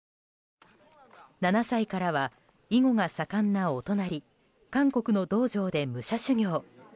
７歳からは、囲碁が盛んなお隣韓国の道場で武者修行。